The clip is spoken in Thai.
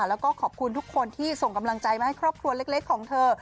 แล้วก็ขอบคุณทุกคนที่ส่งกำลังใจมาให้ครอบครัวเล็กของเธอ